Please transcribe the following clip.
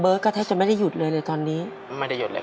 พี่ก็ต้องเป็นภาระของน้องของแม่อีกอย่างหนึ่ง